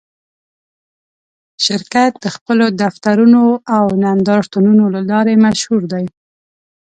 شرکت د خپلو دفترونو او نندارتونونو له لارې مشهور دی.